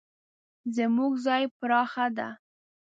زموږ ځای پراخه ده